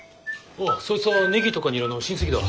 おうそいつはネギとかニラの親戚だ。